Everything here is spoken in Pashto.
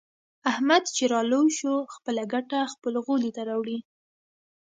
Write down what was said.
احمد چې را لوی شو. خپله ګټه خپل غولي ته راوړي.